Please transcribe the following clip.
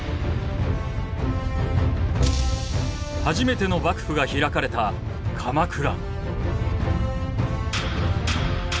初めての幕府が開かれた鎌倉。